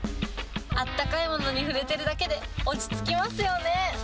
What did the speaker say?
あったかいものに触れてるだけで、落ち着きますよね。